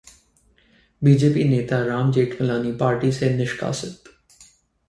BJP नेता Ram Jethmalani party से निष्कासित